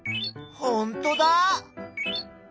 ほんとだ！